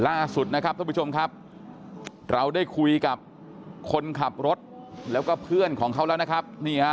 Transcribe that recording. ล่าสุดนะครับท่านผู้ชมครับเราได้คุยกับคนขับรถแล้วก็เพื่อนของเขาแล้วนะครับ